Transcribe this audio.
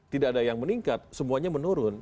tidak ada yang meningkat semuanya menurun